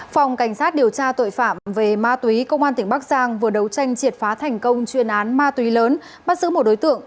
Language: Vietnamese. phòng cảnh sát điều tra tội phạm về ma túy công an tỉnh bắc giang vừa đấu tranh triệt phá thành công chuyên án ma túy lớn bắt giữ một đối tượng